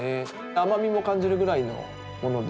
甘みも感じるぐらいのもので。